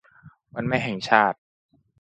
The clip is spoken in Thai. วันแม่แห่งชาติ